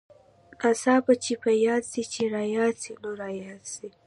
ناڅاپه چې په ياد سې چې راياد سې نو راياد سې.